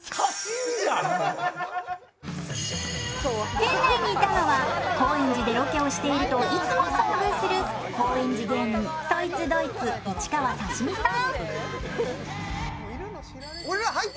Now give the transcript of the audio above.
店内にいたのは、高円寺でロケをしているといつも遭遇する高円寺芸人、そいつどいつ・市川刺身さん。